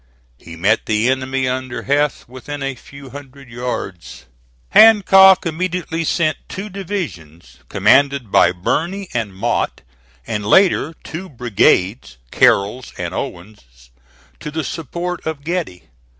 He met the enemy under Heth within a few hundred yards. Hancock immediately sent two divisions, commanded by Birney and Mott, and later two brigades, Carroll's and Owen's, to the support of Getty.